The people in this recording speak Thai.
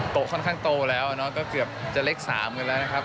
ค่อนข้างโตแล้วเนาะก็เกือบจะเล็ก๓กันแล้วนะครับ